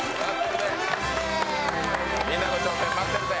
みんなの挑戦待ってるぜ。